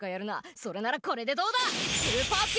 それならこれでどうだ！